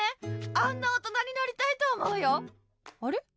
あんなおとなになりたいとおもうよあれ？